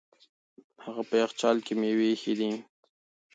هغه په یخچال کې مېوې ایښې دي.